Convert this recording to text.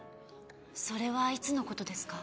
それはいつの事ですか？